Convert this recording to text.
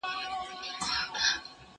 زه اوس سبزیحات تياروم؟